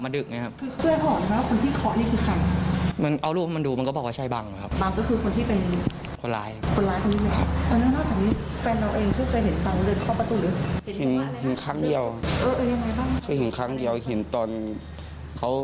มาดึกเนี้ยครับคือคือคือคือคือคือคือคือคือคือคือคือคือ